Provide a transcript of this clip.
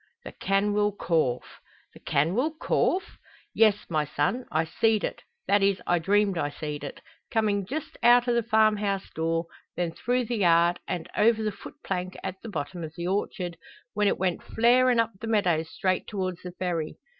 "The canwyll corph!" "The canwyll corph?" "Yes, my son; I seed it that is I dreamed I seed it coming just out o' the farm house door, then through the yard, and over the foot plank at the bottom o' the orchard, when it went flarin' up the meadows straight towards the ferry.